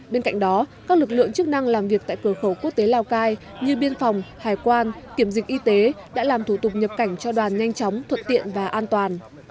bên cạnh đó các lực lượng chức năng làm việc tại cửa khẩu quốc tế lào cai như biên phòng hải quan kiểm dịch y tế đã làm thủ tục nhập cảnh cho đoàn nhanh chóng thuận tiện và an toàn